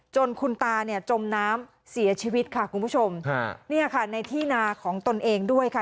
จนคุณตาเนี่ยจมน้ำเสียชีวิตค่ะคุณผู้ชมฮะเนี่ยค่ะในที่นาของตนเองด้วยค่ะ